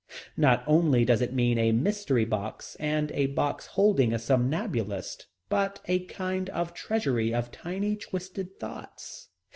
Not only does it mean a mystery box and a box holding a somnambulist, but a kind of treasury of tiny twisted thoughts.